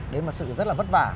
đến một sự rất là vất vả